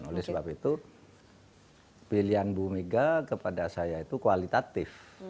oleh sebab itu pilihan ibu megawati soekarno putri kepada saya itu kualitatif